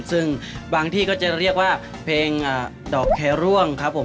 ซึ่งบางที่ก็จะเรียกว่าเพลงดอกแคร่วงครับผม